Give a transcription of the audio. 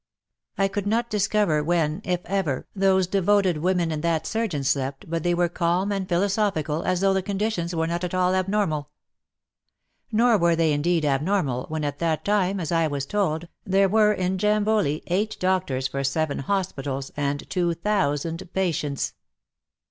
I could not discover when, if ever, those devoted Bullock Waggon in Jambol WAR AND WOMEN 51 women and that surgeon slept, but they were calm and philosophical, as though the conditions were not at all abnormal. Nor were they indeed abnormal, when at that time, as I was told, there were in Jamboli 8 doctors for 7 hospitals and 2000 patients.